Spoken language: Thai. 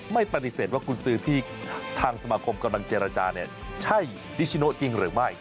ไม่ปฏิเสธว่ากุญสือที่ทางสมาคมกำลังเจรจาเนี่ยใช่นิชโนจริงหรือไม่